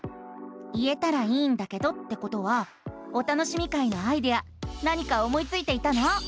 「言えたらいいんだけど」ってことは「お楽しみ会」のアイデア何か思いついていたの？